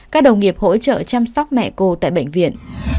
các đồng nghiệp hỗ trợ chăm sóc mẹ cô tại bệnh viện